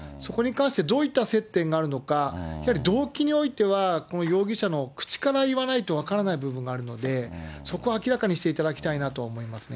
そこに関して、どういった接点があるのか、やはり動機においては、この容疑者の口から言わないと、分からない部分があるので、そこは明らかにしていただきたいなとは思いますね。